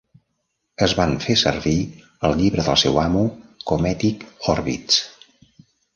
Es van fer servir al llibre del seu amo "Cometic Orbits".